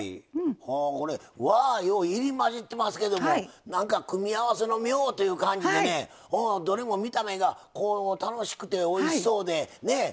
これ和洋入り交じってますけどもなんか組み合わせの妙という感じでねどれも見た目が楽しくておいしそうでねえ。